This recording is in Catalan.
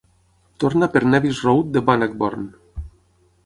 Torna per Nevis Road de Bannockburn.